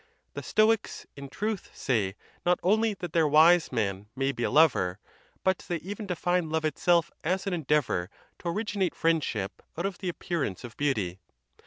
The Stoics, in truth, say, not only that their wise man may be a lover, but they even define love itself as an endeavor to originate friendship out of the appearance of beauty.